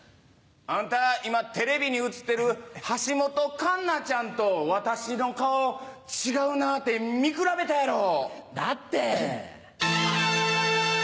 あんた今テレビに映ってる橋本環奈ちゃんと私の顔違うなって見比べたやろ？だって。